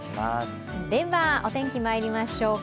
ではお天気まいりましょうか。